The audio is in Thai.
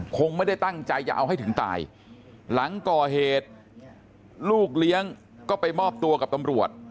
คงไม่ได้ตั้งใจจะเอาให้ถึงตายหลังก่อเหตุลูกเลี้ยงก็ไปมอบตัวกับตำรวจ